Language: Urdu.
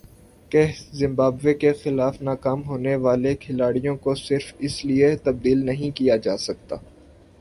کہ زمبابوے کے خلاف ناکام ہونے والے کھلاڑیوں کو صرف اس لیے تبدیل نہیں کیا جا سکتا